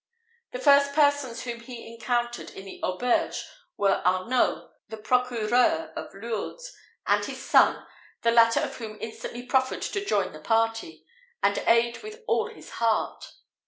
The first persons whom he encountered in the auberge were Arnault, the procureur of Lourdes, and his son, the latter of whom instantly proffered to join the party, and aid with all his heart.